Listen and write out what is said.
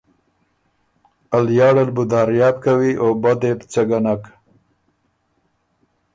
ا لیاړه ل بُو داریاب کوی او بۀ دې بو څۀ ګۀ نک